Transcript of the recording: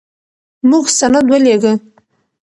موږ سند ولېږه.